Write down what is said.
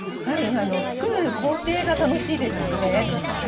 やはりつくる工程が楽しいですよね。